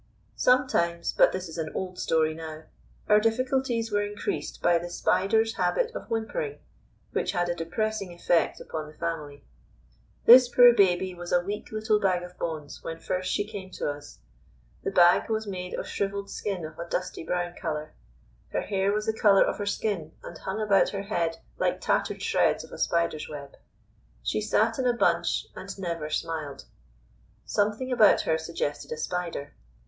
Sometimes (but this is an old story now) our difficulties were increased by the Spider's habit of whimpering, which had a depressing effect upon the family. This poor baby was a weak little bag of bones when first she came to us. The bag was made of shrivelled skin of a dusty brown colour. Her hair was the colour of her skin, and hung about her head like tattered shreds of a spider's web. She sat in a bunch and never smiled. Something about her suggested a spider.